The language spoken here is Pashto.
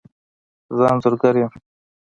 زه انځورګر یم